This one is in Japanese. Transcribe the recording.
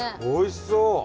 おいしそう。